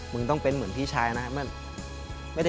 มึงต้องเป็นเหมือนพี่ชายนะครับ